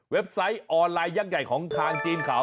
ไซต์ออนไลน์ยักษ์ใหญ่ของทางจีนเขา